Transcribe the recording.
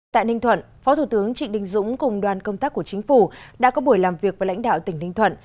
tại ninh thuận phó thủ tướng trịnh đình dũng cùng đoàn công tác của chính phủ đã có buổi làm việc với lãnh đạo tỉnh ninh thuận